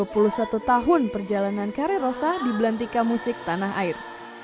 dan sekaligus menandai dua puluh satu tahun perjalanan kare rossa di belantika musik tanah air